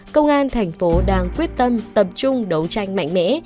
công an thành phố đang quyết tâm tập trung đấu tranh mạnh mẽ